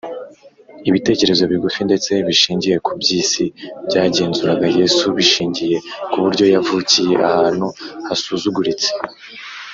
Ibitekerezo bigufi ndetse bishingiye ku by’isi byagenzuraga Yesu bishingiye ku buryo yavukiye ahantu hasuzuguritse